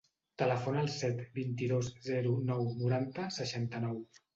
Telefona al set, vint-i-dos, zero, nou, noranta, seixanta-nou.